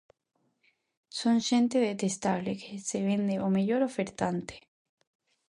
Son xente detestable que se vende ao mellor ofertante.